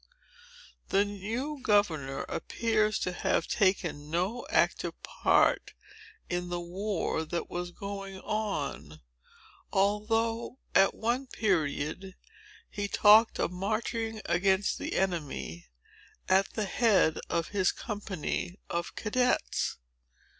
The new governor appears to have taken no active part in the war that was going on; although, at one period, he talked of marching against the enemy, at the head of his company of cadets.